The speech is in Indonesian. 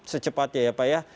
secepatnya ya pak ya